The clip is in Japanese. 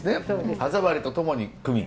歯触りとともにクミン。